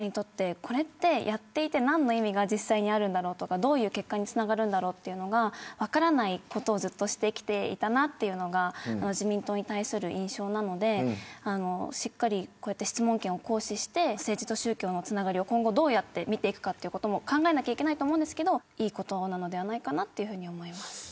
有権者にとって、これはやっていて意味があるのかどういう結果につながるんだろうというのが分からないことをしてきていたなというのが自民党に対する印象なのでしっかり質問権を行使して政治と宗教のつながりをどうやって見ていくかも考えなければいけないと思うんですけどいいことなのではないかなと思います。